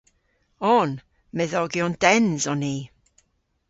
On. Medhogyon dens on ni.